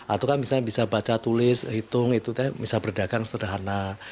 atau kan misalnya bisa baca tulis hitung itu bisa berdagang sederhana